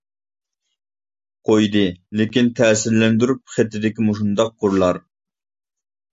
قويدى لېكىن تەسىرلەندۈرۈپ، خېتىدىكى مۇشۇنداق قۇرلار.